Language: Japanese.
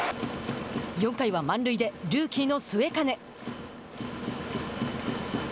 ４回は満塁でルーキーの末包。